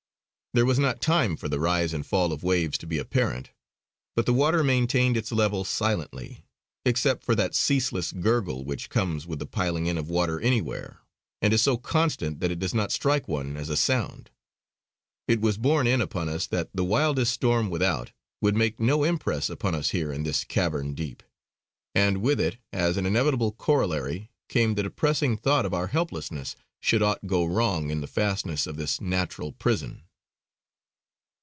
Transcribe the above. There was not time for the rise and fall of waves to be apparent; but the water maintained its level silently, except for that ceaseless gurgle which comes with the piling in of water anywhere, and is so constant that it does not strike one as a sound. It was borne in upon us that the wildest storm without, would make no impress upon us here in this cavern deep; and with it, as an inevitable corollary, came the depressing thought of our helplessness should aught go wrong in the fastnesses of this natural prison.